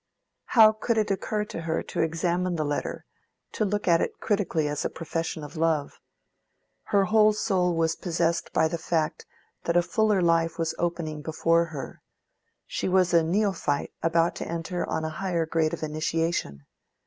How could it occur to her to examine the letter, to look at it critically as a profession of love? Her whole soul was possessed by the fact that a fuller life was opening before her: she was a neophyte about to enter on a higher grade of initiation.